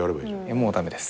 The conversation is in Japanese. もう駄目です。